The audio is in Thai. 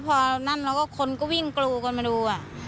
พอนั่นแล้วก็คนก็วิ่งกรูกันมาดู